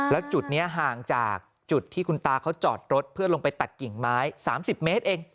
แล้วจุดนี้ห่างจากจุดที่คุณตาเขาจอดรถเพื่อลงไปตัดกิ่งไม้๓๐เมตรเอง